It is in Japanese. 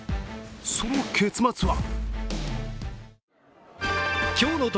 その結末は？